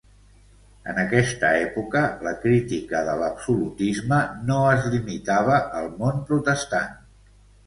En aquesta època, la crítica de l'absolutisme no es limitava al món protestant.